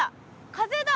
風だ。